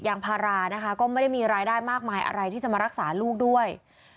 อย่างภารานะคะก็ไม่ได้มีรายได้มากมาย